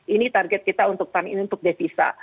ini target kita untuk tahun ini untuk devisa